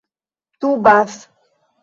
dubas